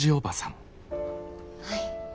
はい。